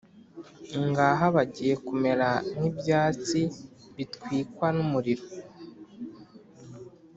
ngaha bagiye kumera nk’ibyatsi bitwikwa n’umuriro,